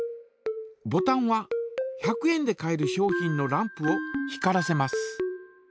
ボタンは１００円で買える商品のランプを光らせます。